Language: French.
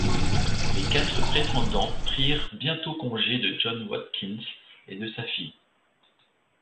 Les quatre prétendants prirent bientôt congé de John Watkins et de sa fille.